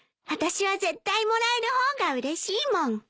私は絶対もらえる方がうれしいもん。